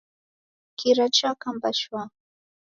Kira chakamba shwa.